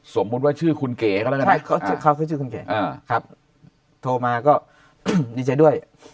สมมุติว่าชื่อคุณเก๋เขาชื่อคุณเก๋ครับโทรมาก็ดีใจด้วย